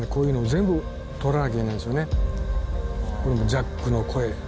「ジャックの声」